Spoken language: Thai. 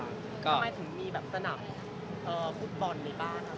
ทำไมถึงมีแบบสนามฟุตบอลในบ้านเรา